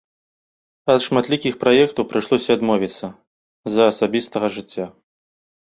Ад шматлікіх праектаў прыйшлося адмовіцца з-за асабістага жыцця.